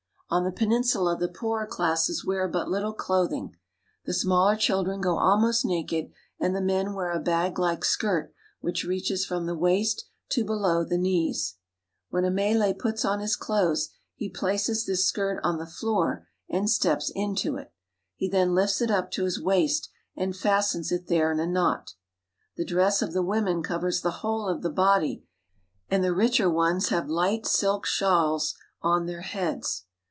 On the peninsula the poorer classes wear but little cloth ing. The smaller children go almost naked, and the men wear a baglike skirt which reaches from the waist to below Some Native Malays. the knees. When a Malay puts on his clothes, he places this skirt on the floor and steps into it. He then lifts it up to his waist and fastens it there in a knot. The dress of the women covers the whole of the body, and the richer ones have light silk shawls on their heads.